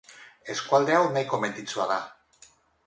Eskualde hau nahiko menditsua da.